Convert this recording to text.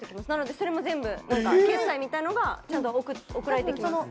なのでそれも全部決済みたいのがちゃんと送られてきます。